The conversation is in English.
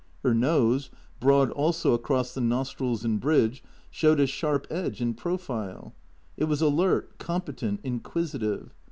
Her nose, broad also across the nostrils and bridge, showed a sharp edge in profile; it was alert, competent, inquisitive.